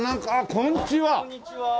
こんにちは。